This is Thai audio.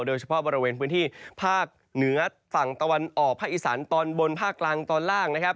โดยเฉพาะบริเวณพื้นที่ภาคเหนือฝั่งตะวันออกภาคอีสานตอนบนภาคกลางตอนล่างนะครับ